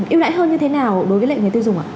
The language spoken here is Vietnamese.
ưu đại hơn như thế nào đối với lệ người tiêu dùng ạ